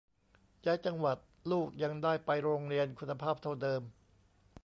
ย้ายจังหวัด ลูกยังได้ไปโรงเรียนคุณภาพเท่าเดิม